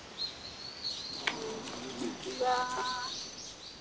こんにちは。